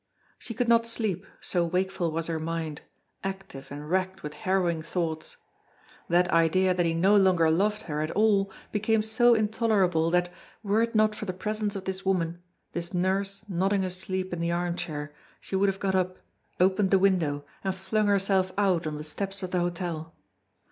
She could not sleep, so wakeful was her mind, active and racked with harrowing thoughts. That idea that he no longer loved her at all became so intolerable that, were it not for the presence of this woman, this nurse nodding asleep in the armchair, she would have got up, opened the window, and flung herself out on the steps of the hotel.